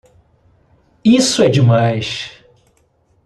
Isso é demais!